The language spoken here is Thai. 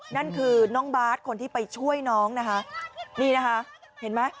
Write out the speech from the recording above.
นั่นคือน้องบาทคนที่ไปช่วยน้องนะคะนี่นะคะเห็นไหม